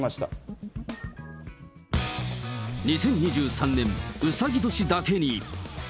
２０２３年、うさぎ年だけに。